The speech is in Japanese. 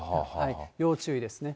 要注意ですね。